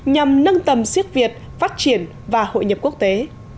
nhằm nâng tầm siếc việt phát triển và hội nhập quốc tế